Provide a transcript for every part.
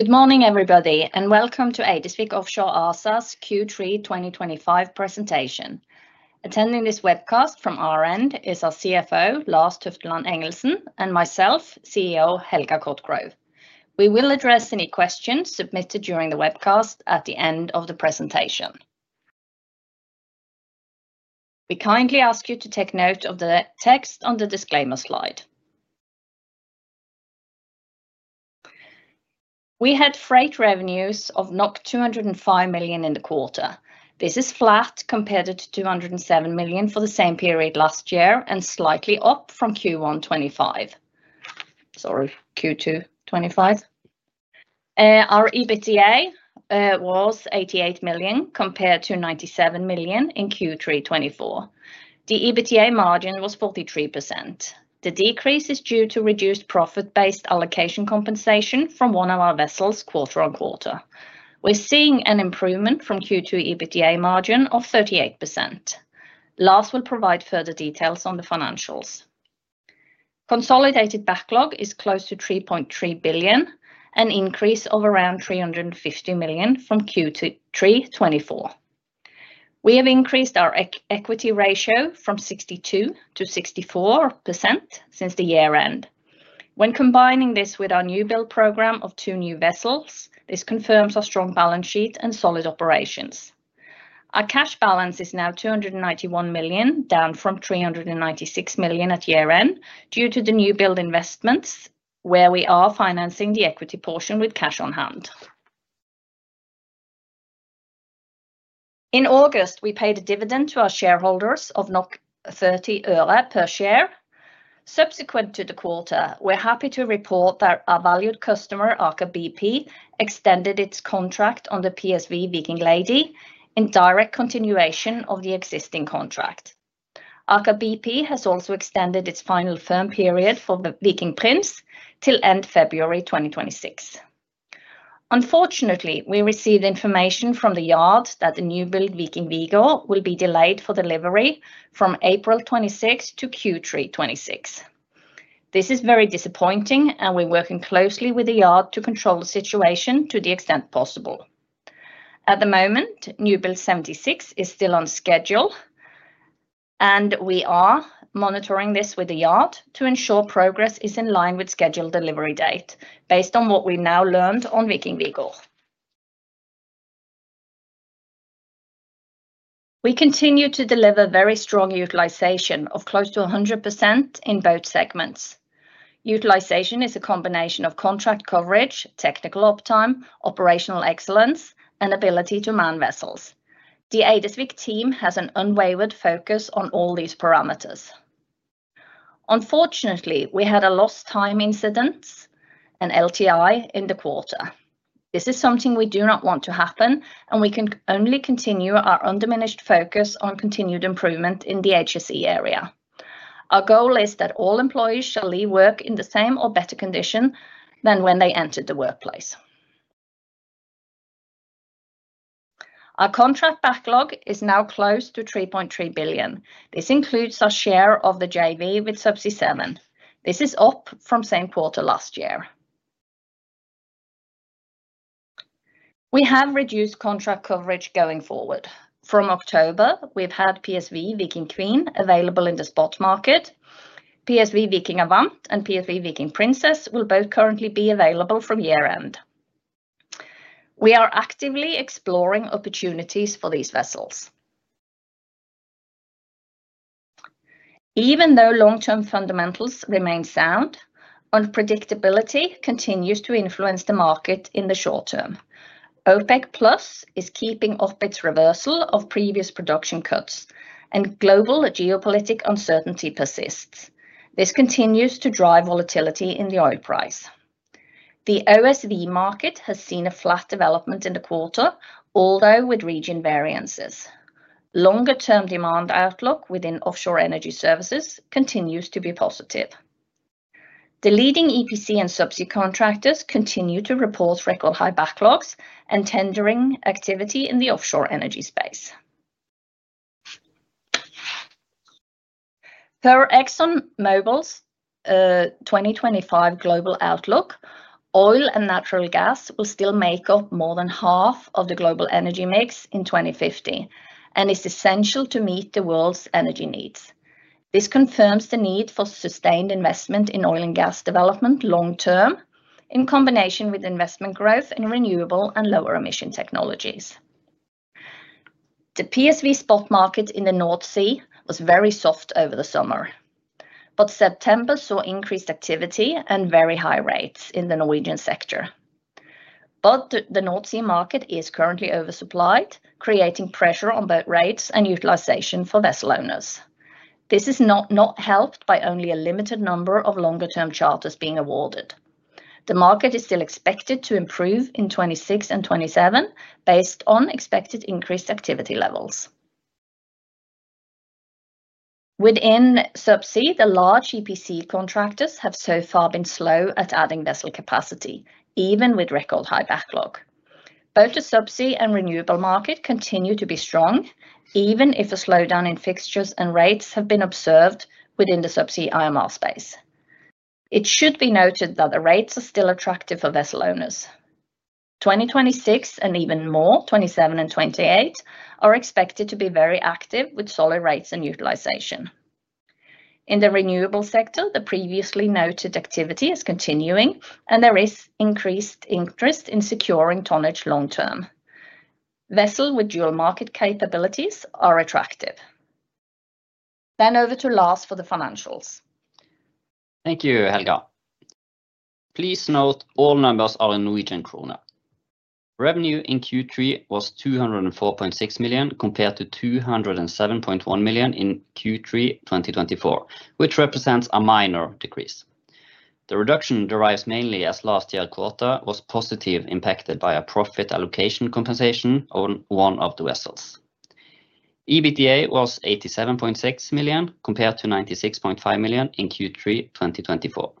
Good morning, everybody, and welcome to Eidesvik Offshore ASA's Q3 2025 presentation. Attending this webcast from our end is our CFO, Lars Tufteland Engelsen, and myself, CEO Helga Cotgrove. We will address any questions submitted during the webcast at the end of the presentation. We kindly ask you to take note of the text on the disclaimer slide. We had freight revenues of 205 million in the quarter. This is flat compared to 207 million for the same period last year and slightly up from Q1 2025. Sorry, Q2 2025. Our EBITDA was 88 million compared to 97 million in Q3 2024. The EBITDA margin was 43%. The decrease is due to reduced profit-based allocation compensation from one of our vessels quarter on quarter. We're seeing an improvement from Q2 EBITDA margin of 38%. Lars will provide further details on the financials. Consolidated backlog is close to 3.3 billion, an increase of around 350 million from Q3 2024. We have increased our equity ratio from 62% to 64% since the year-end. When combining this with our newbuild program of two new vessels, this confirms our strong balance sheet and solid operations. Our cash balance is now 291 million, down from 396 million at year-end due to the newbuild investments, where we are financing the equity portion with cash on hand. In August, we paid a dividend to our shareholders of NOK [0.30] per share. Subsequent to the quarter, we're happy to report that our valued customer, Aker BP, extended its contract on the PSV Viking Lady in direct continuation of the existing contract. Aker BP has also extended its final firm period for the Viking Prince till end February 2026. Unfortunately, we received information from the yard that the newbuild Viking Vigor will be delayed for delivery from April 2026 to Q3 2026. This is very disappointing, and we're working closely with the yard to control the situation to the extent possible. At the moment, newbuild 76 is still on schedule, and we are monitoring this with the yard to ensure progress is in line with the scheduled delivery date based on what we've now learned on Viking Vigor. We continue to deliver very strong utilization of close to 100% in both segments. Utilization is a combination of contract coverage, technical uptime, operational excellence, and ability to man vessels. The Eidesvik team has an unwavering focus on all these parameters. Unfortunately, we had a lost time incident, an LTI, in the quarter. This is something we do not want to happen, and we can only continue our undiminished focus on continued improvement in the HSE area. Our goal is that all employees shall leave work in the same or better condition than when they entered the workplace. Our contract backlog is now close to 3.3 billion. This includes our share of the JV with Subsea7. This is up from same quarter last year. We have reduced contract coverage going forward. From October, we've had PSV Viking Queen available in the spot market. PSV Viking Avant and PSV Viking Princess will both currently be available from year-end. We are actively exploring opportunities for these vessels. Even though long-term fundamentals remain sound, unpredictability continues to influence the market in the short term. OPEC+ is keeping off its reversal of previous production cuts, and global geopolitical uncertainty persists. This continues to drive volatility in the oil price. The OSV market has seen a flat development in the quarter, although with region variances. Longer-term demand outlook within offshore energy services continues to be positive. The leading EPC and Subsea contractors continue to report record-high backlogs and tendering activity in the offshore energy space. Per ExxonMobil's 2025 global outlook, oil and natural gas will still make up more than half of the global energy mix in 2050, and it's essential to meet the world's energy needs. This confirms the need for sustained investment in oil and gas development long-term in combination with investment growth in renewable and lower-emission technologies. The PSV spot market in the North Sea was very soft over the summer, but September saw increased activity and very high rates in the Norwegian sector. The North Sea market is currently oversupplied, creating pressure on both rates and utilization for vessel owners. This is not helped by only a limited number of longer-term charters being awarded. The market is still expected to improve in 2026 and 2027 based on expected increased activity levels. Within Subsea, the large EPC contractors have so far been slow at adding vessel capacity, even with record-high backlog. Both the Subsea and renewable market continue to be strong, even if a slowdown in fixtures and rates has been observed within the Subsea IMR space. It should be noted that the rates are still attractive for vessel owners. 2026 and even more, 2027 and 2028, are expected to be very active with solid rates and utilization. In the renewable sector, the previously noted activity is continuing, and there is increased interest in securing tonnage long-term. Vessels with dual market capabilities are attractive. Over to Lars for the financials. Thank you, Helga. Please note all numbers are in Norwegian kroner. Revenue in Q3 was 204.6 million compared to 207.1 million in Q3 2024, which represents a minor decrease. The reduction derives mainly as last year's quarter was positively impacted by a profit allocation compensation on one of the vessels. EBITDA was 87.6 million compared to 96.5 million in Q3 2024.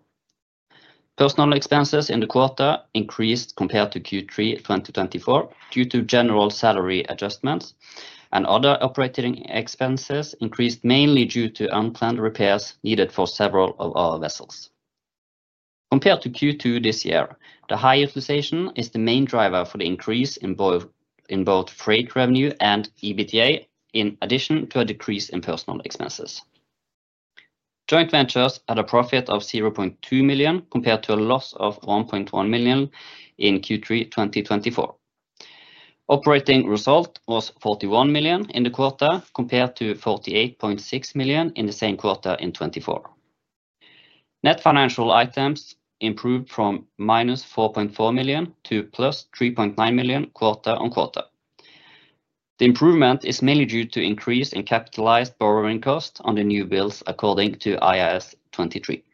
Personnel expenses in the quarter increased compared to Q3 2024 due to general salary adjustments, and other operating expenses increased mainly due to unplanned repairs needed for several of our vessels. Compared to Q2 this year, the high utilization is the main driver for the increase in both freight revenue and EBITDA, in addition to a decrease in personnel expenses. Joint ventures had a profit of 0.2 million compared to a loss of 1.1 million in Q3 2024. Operating result was 41 million in the quarter compared to 48.6 million in the same quarter in 2024. Net financial items improved from -4.4 million to +3.9 million quarter on quarter. The improvement is mainly due to an increase in capitalized borrowing cost on the newbuilds according to IFRS 23.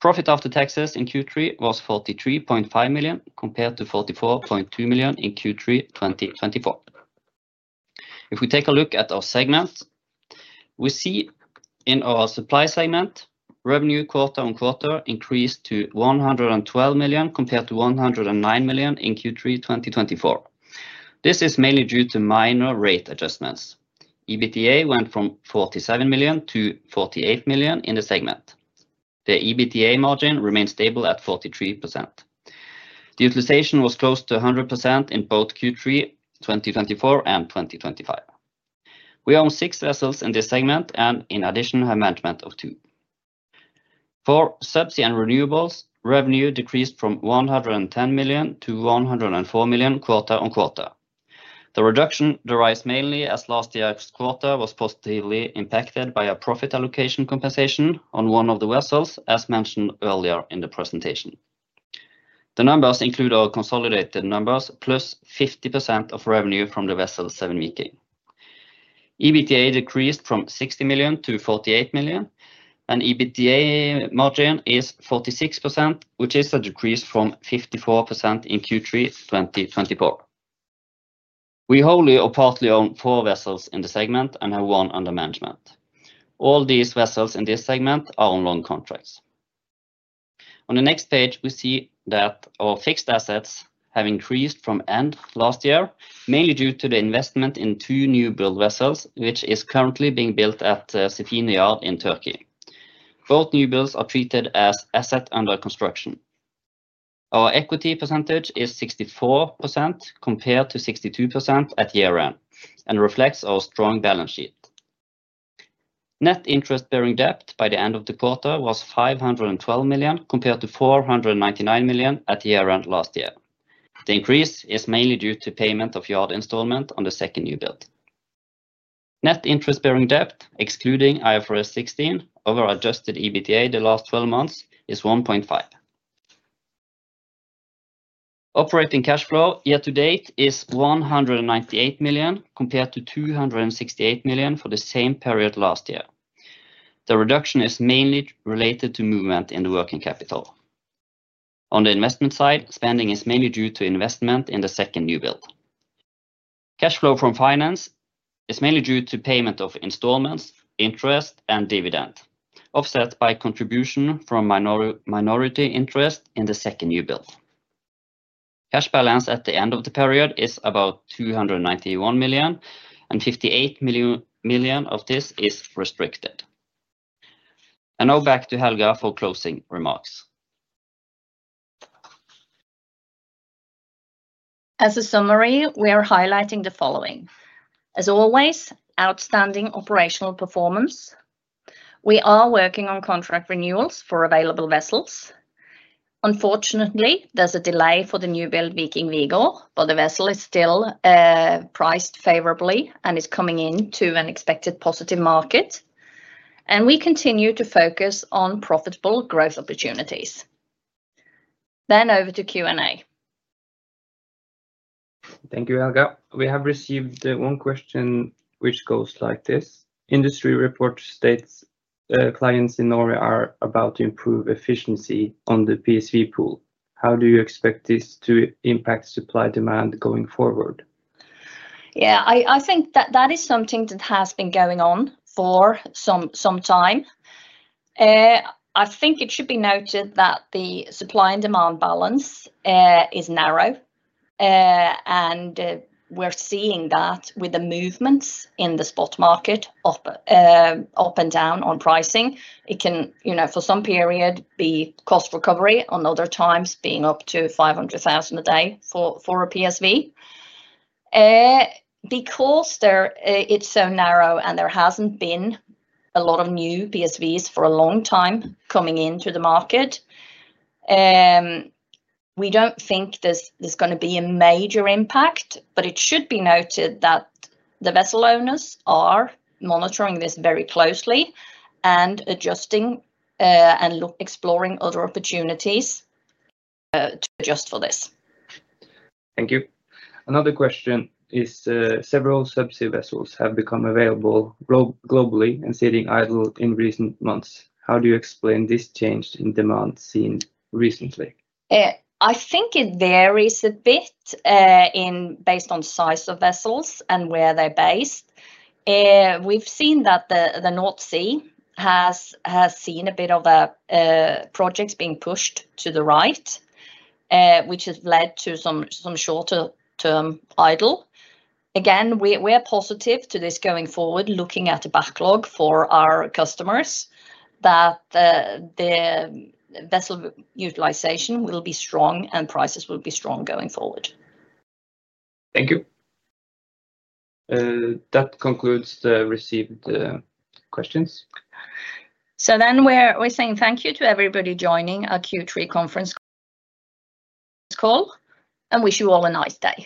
Profit after taxes in Q3 was 43.5 million compared to 44.2 million in Q3 2024. If we take a look at our segments, we see in our supply segment, revenue quarter on quarter increased to 112 million compared to 109 million in Q3 2024. This is mainly due to minor rate adjustments. EBITDA went from 47 million to 48 million in the segment. The EBITDA margin remained stable at 43%. The utilization was close to 100% in both Q3 2024 and 2025. We own six vessels in this segment and, in addition, have management of two. For Subsea and renewables, revenue decreased from 110 million to 104 million quarter on quarter. The reduction derives mainly as last year's quarter was positively impacted by a profit allocation compensation on one of the vessels, as mentioned earlier in the presentation. The numbers include our consolidated numbers, +50% of revenue from the vessel 7VK. EBITDA decreased from 60 million to 48 million, and EBITDA margin is 46%, which is a decrease from 54% in Q3 2024. We wholly or partly own four vessels in the segment and have one under management. All these vessels in this segment are on long contracts. On the next page, we see that our fixed assets have increased from end last year, mainly due to the investment in two newbuild vessels, which is currently being built at Sefine Shipyard in Turkey. Both newbuilds are treated as assets under construction. Our equity percentage is 64% compared to 62% at year-end and reflects our strong balance sheet. Net interest-bearing debt by the end of the quarter was 512 million compared to 499 million at year-end last year. The increase is mainly due to payment of yard installment on the second newbuild. Net interest-bearing debt, excluding IFRS 16, over-adjusted EBITDA the last 12 months is 1.5x. Operating cash flow year-to-date is 198 million compared to 268 million for the same period last year. The reduction is mainly related to movement in the working capital. On the investment side, spending is mainly due to investment in the second newbuild. Cash flow from finance is mainly due to payment of installments, interest, and dividend, offset by contribution from minority interest in the second newbuild. Cash balance at the end of the period is about 291 million, and 58 million of this is restricted. Now back to Helga for closing remarks. As a summary, we are highlighting the following. As always, outstanding operational performance. We are working on contract renewals for available vessels. Unfortunately, there is a delay for the newbuild Viking Vigor, but the vessel is still priced favorably and is coming into an expected positive market. We continue to focus on profitable growth opportunities. Over to Q&A. Thank you, Helga. We have received one question which goes like this: Industry report states clients in Norway are about to improve efficiency on the PSV pool. How do you expect this to impact supply demand going forward? Yeah, I think that that is something that has been going on for some time. I think it should be noted that the supply and demand balance is narrow. We're seeing that with the movements in the spot market. Up and down on pricing, it can, you know, for some period, be cost recovery, on other times being up to 500,000 a day for a PSV. Because it's so narrow and there hasn't been a lot of new PSVs for a long time coming into the market. We don't think there's going to be a major impact, but it should be noted that the vessel owners are monitoring this very closely and adjusting. Exploring other opportunities to adjust for this. Thank you. Another question is several subsea vessels have become available globally and sitting idle in recent months. How do you explain this change in demand seen recently? I think it varies a bit. Based on the size of vessels and where they're based. We've seen that the North Sea has seen a bit of projects being pushed to the right, which has led to some shorter-term idle. Again, we are positive to this going forward, looking at a backlog for our customers that the vessel utilization will be strong and prices will be strong going forward. Thank you. That concludes the received questions. So then we're saying thank you to everybody joining our Q3 conference call and wish you all a nice day.